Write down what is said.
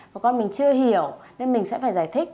và con mình chưa hiểu nên mình sẽ phải giải thích